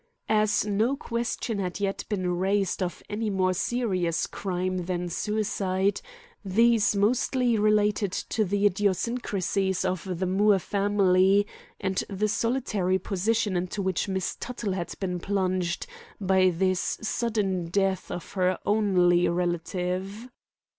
As no question had yet been raised of any more serious crime than suicide, these mostly related to the idiosyncrasies of the Moore family and the solitary position into which Miss Tuttle had been plunged by this sudden death of her only relative.